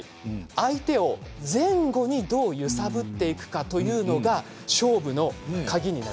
相手を前後にどう揺さぶっていくかというのが勝負の鍵になるんです。